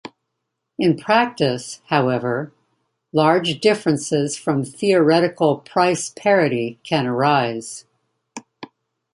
In practice, however, large differences from theoretical price parity can arise.